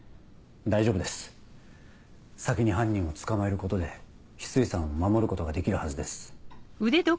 大丈夫です先に犯人を捕まえることで翡翠さんを守ることができるはずです。